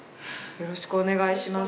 よろしくお願いします。